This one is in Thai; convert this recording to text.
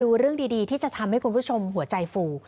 เรื่องดีที่จะทำให้คุณผู้ชมหัวใจฟู